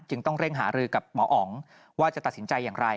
ต้องเร่งหารือกับหมออ๋องว่าจะตัดสินใจอย่างไร